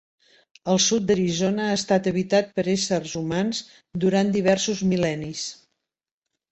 El sud d'Arizona ha estat habitat per éssers humans durant diversos mil·lennis.